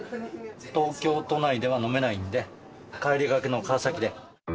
東京都内では飲めないんで、帰りがけの川崎で。